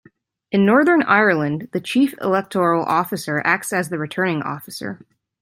In Northern Ireland, the Chief Electoral Officer acts as the returning officer.